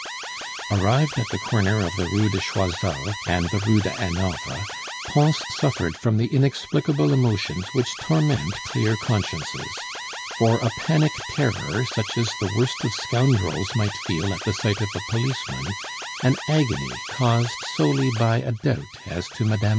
Arrived at the corner of the Rue de Choiseul and the Rue de Hanovre, Pons suffered from the inexplicable emotions which torment clear consciences; for a panic terror such as the worst of scoundrels might feel at sight of a policeman, an agony caused solely by a doubt as to Mme.